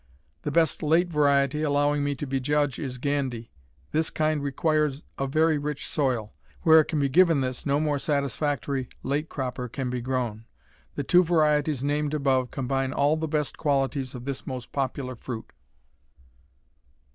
The best late variety, allowing me to be judge, is Gandy. This kind requires a very rich soil. Where it can be given this, no more satisfactory late cropper can be grown. The two varieties named above combine all the best qualities of this most popular fruit.